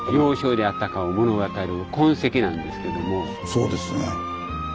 そうですね。